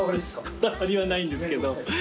こだわりはないんですけど。